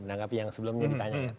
menanggapi yang sebelumnya ditanya